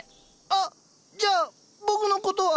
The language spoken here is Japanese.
あっじゃあ僕のことは。